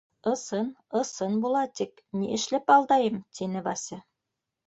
— Ысын, ысын, Булатик, ни эшләп алдайым, — тине Вася.